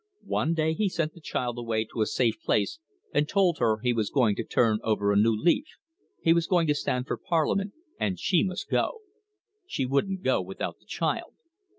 One day he sent the child away to a safe place and told her he was going to turn over a new leaf he was going to stand for Parliament, and she must go. She wouldn't go without the child.